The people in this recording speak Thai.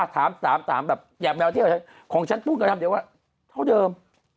อยากมาเที่ยวของฉันความรู้กันครับเดี๋ยวฉันเท่าเดิม